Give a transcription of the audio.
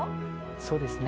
そうですね